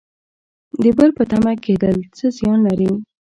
د بل په تمه کیدل څه زیان لري؟